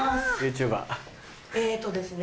えっとですね